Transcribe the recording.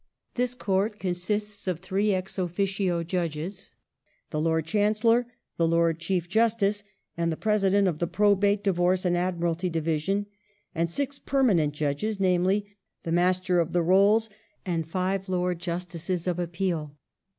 This Court consists of three ex officio Judges : the Lord Chancellor, the Lord Chief Justice, and the Pre sident of the Probate, Divorce, and Admiralty Division, and six permanent Judges, namely, the Master of the Rolls and five Lords Justices of Appeal.